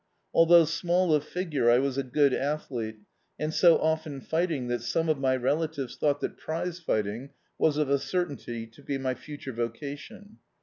Although small of figure I was a good athlete, and so often fighting that some of my relatives tbou^t that prize fighting was of a certainty to be my future vocation.